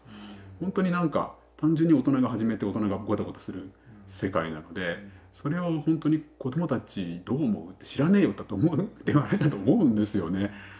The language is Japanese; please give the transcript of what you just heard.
ほんとに何か単純に大人が始めて大人がごたごたする世界なのでそれをほんとに「子どもたちどう思う？」って「知らねえよ」だと思うではないかと思うんですよね。